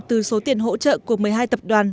từ số tiền hỗ trợ của một mươi hai tập đoàn